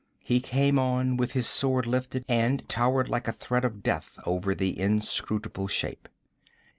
He came on with his sword lifted, and towered like a threat of death over the inscrutable shape.